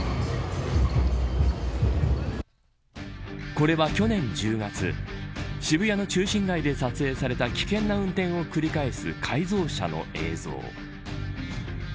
これは、去年１０月渋谷の中心街で撮影された危険な運転を繰り返す改造車の映像。